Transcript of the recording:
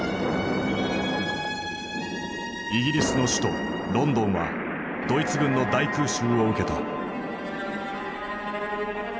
イギリスの首都ロンドンはドイツ軍の大空襲を受けた。